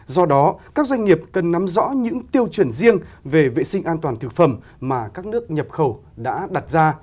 do đó các doanh nghiệp cần nắm rõ những tiêu chuẩn riêng về vệ sinh an toàn thực phẩm mà các nước nhập khẩu đã đặt ra